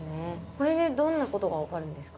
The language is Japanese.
これでどんなことが分かるんですか？